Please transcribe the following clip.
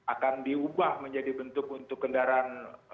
akan diubah menjadi bentuk untuk kendaraan